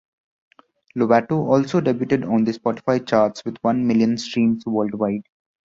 Lovato also debuted on the Spotify charts with one million streams worldwide.